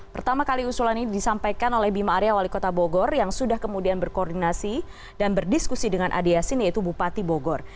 pertama kali usulan ini disampaikan oleh bima arya wali kota bogor yang sudah kemudian berkoordinasi dan berdiskusi dengan adi yasin yaitu bupati bogor